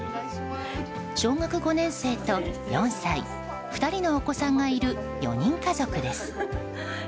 小学５年生と４歳２人のお子さんがいる４人家族です。